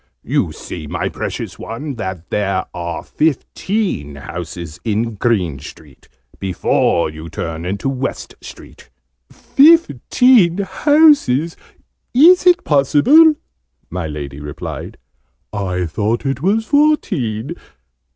"You see, my precious one, that there are fifteen houses in Green Street, before you turn into West Street." "Fifteen houses! Is it possible?" my Lady replied. "I thought it was fourteen!"